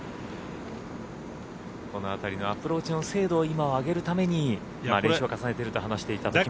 この辺りのアプローチの精度を今、上げるために練習を重ねていると話していた時松。